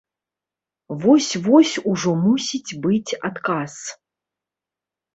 Вось-вось ужо мусіць быць адказ.